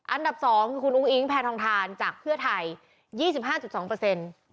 อันดับสองคือคุณอุ๊งอิ๊งแพนทองทานจากเพื่อไทยยี่สิบห้าจุดสองเปอร์เซ็นต์